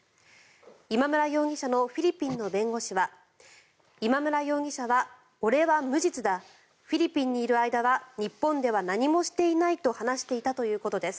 今村容疑者のフィリピンの弁護士は今村容疑者は俺は無実だフィリピンにいる間は日本では何もしていないと話していたということです。